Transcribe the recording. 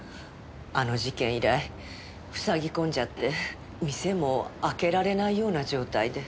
あの事件以来ふさぎ込んじゃって店も開けられないような状態で。